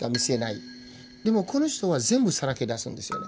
でもこの人は全部さらけ出すんですよね。